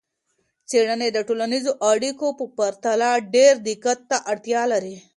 څیړنې د ټولنیزو اړیکو په پرتله ډیر دقت ته اړتیا لري.